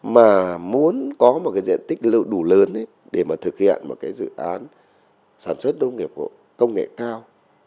mà muốn có một diện tích đủ lớn để thực hiện một dự án sản xuất nông nghiệp công nghệ cao